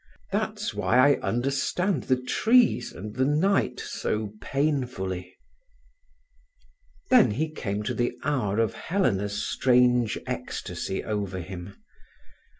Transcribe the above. That's why I understand the trees and the night so painfully." Then he came to the hour of Helena's strange ecstasy over him.